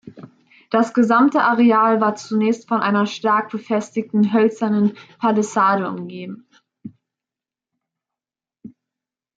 Das gesamte Areal war zunächst von einer stark befestigten hölzernen Palisade umgeben.